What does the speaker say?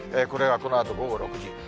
これはこのあと午後６時。